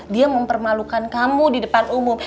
dia mempermalukan kamu di depan umum